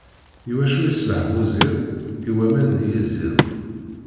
I wacu iṣleḥ Buzid? i waman d yiẓid.